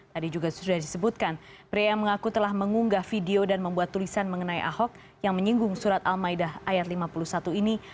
tadi juga sudah disebutkan pria yang mengaku telah mengunggah video dan membuat tulisan mengenai ahok yang menyinggung surat al maidah ⁇ ayat lima puluh satu ini